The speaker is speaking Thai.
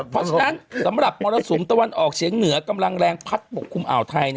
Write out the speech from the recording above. เพราะฉะนั้นสำหรับมรสุมตะวันออกเฉียงเหนือกำลังแรงพัดปกคลุมอ่าวไทย